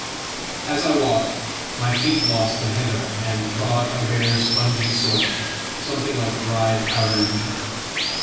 As I walked, my feet lost the heather, and trod a bare spongy soil, something like dry, powdery peat.